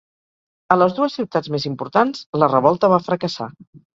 A les dues ciutats més importants la revolta va fracassar.